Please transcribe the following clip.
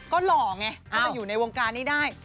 ก็หล่อไงก็จะอยู่ในวงการนี้ได้